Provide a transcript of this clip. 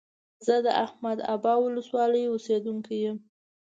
زه د احمد ابا ولسوالۍ اوسيدونکى يم.